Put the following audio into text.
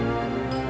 maafkan di rumah